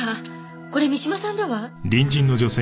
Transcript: これ三島さんだわ！